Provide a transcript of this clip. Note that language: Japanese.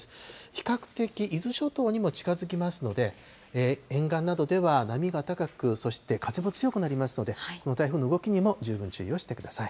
比較的、伊豆諸島にも近づきますので、沿岸などでは波が高く、そして風も強くなりますので、この台風の動きにも注意をしてください。